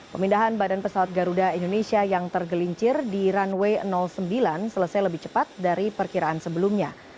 pemindahan badan pesawat garuda indonesia yang tergelincir di runway sembilan selesai lebih cepat dari perkiraan sebelumnya